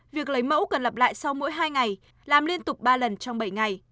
việc lấy mẫu cần lặp lại sau mỗi hai ngày làm liên tục ba lần trong bảy ngày